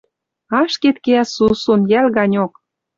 Ашкед кеӓ сусун, йӓл ганьок.